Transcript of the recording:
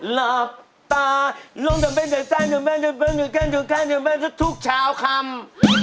หลับตาลองจะเป็นเฉยทุกเช้าคำ